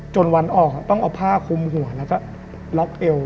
วันออกต้องเอาผ้าคุมหัวแล้วก็ล็อกเอว